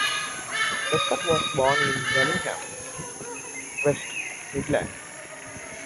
Lescott was born in Birmingham, West Midlands.